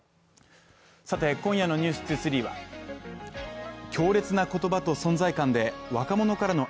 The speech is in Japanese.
さて、今夜の「ｎｅｗｓ２３」は強烈な言葉と存在感で若者からの